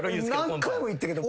何回も行ったけど。